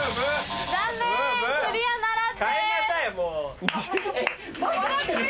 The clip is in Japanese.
残念クリアならずです。